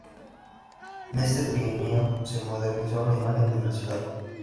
En este trienio se modernizó la imagen de la ciudad.